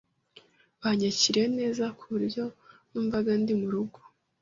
Banyakiriye neza, ku buryo numvaga ndi mu rugo.